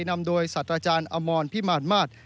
นำโดยสัตว์อาจารย์อมรพิมารมาศ